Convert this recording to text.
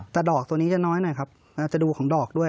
แต่ดอกตัวนี้จะน้อยหน่อยครับจะดูของดอกด้วย